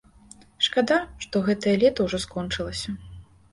Шкада, што гэтае лета ўжо скончылася.